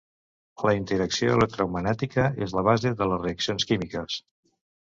La interacció electromagnètica és la base de les reaccions químiques.